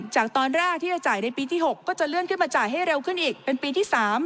จากตอนแรกที่จะจ่ายในปีที่๖ก็จะเลื่อนขึ้นมาจ่ายให้เร็วขึ้นอีกเป็นปีที่๓